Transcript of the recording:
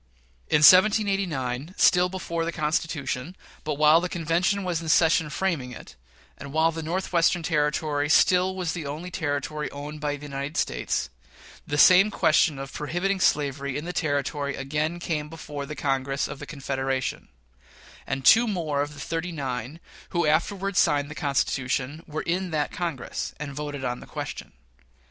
In 1787, still before the Constitution, but while the convention was in session framing it, and while the Northwestern Territory still was the only Territory owned by the United States, the same question of prohibiting slavery in the Territory again came before the Congress of the Confederation; and two more of the "thirty nine" who afterward signed the Constitution were in that Congress, and voted on the question.